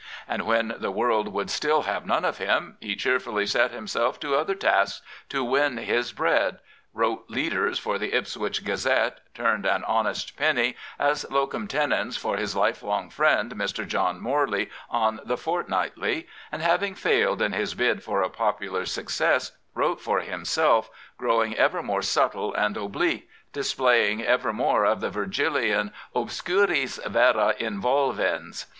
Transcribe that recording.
And when the world would still have none of him, he cheerfully set himself to other tasks to win his bread, wrote leaders " for the Ipswich Gazette, tgxped an honest penny as locum tenens for his life long friend, Mr. John 46 George Meredith , Morley, on The Fortnightly, and having failed in his bid for a popular success wrote for himself, growing ever more subtle and oblique, displaying ever more of the Virgilian obscuris vera involvens.